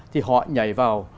thì họ nhảy vào